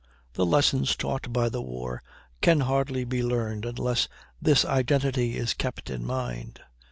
] The lessons taught by the war can hardly be learned unless this identity is kept in mind.